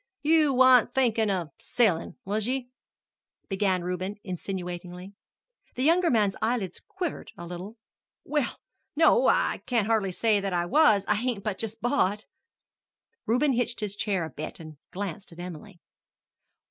"You wan't thinkin' of sellin', was ye?" began Reuben insinuatingly. The younger man's eyelid quivered a little. "Well, no, I can't hardly say that I was. I hain't but just bought." Reuben hitched his chair a bit and glanced at Emily.